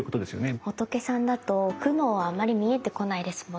仏さんだと苦悩はあまり見えてこないですもんね。